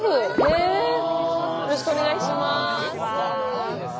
よろしくお願いします。